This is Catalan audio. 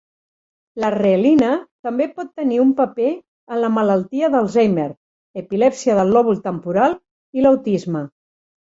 La reelina també pot tenir un paper en la malaltia d'Alzheimer, epilèpsia del lòbul temporal i l'autisme.